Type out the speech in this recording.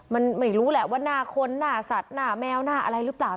มันไม่รู้แหละว่าหน้าคนหน้าสัตว์หน้าแมวหน้าอะไรหรือเปล่า